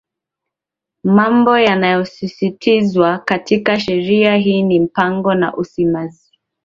Mambo yanayosisitizwa katika Sheria hii ni mipango na usimamizi